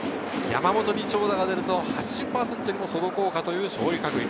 山本に長打が出ると８０％に届こうかという勝利確率。